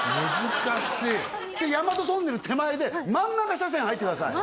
難しいで大和トンネル手前で真ん中車線入ってください